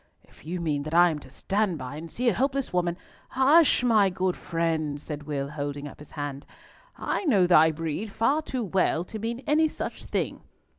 "If you mean that I am to stand by and see a helpless woman—" "Hush! my good friend," said Will, holding up his hand. "I know thy breed far too well to mean any such thing.